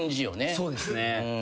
そうですね。